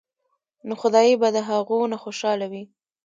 نو خدائے به د هغو نه خوشاله وي ـ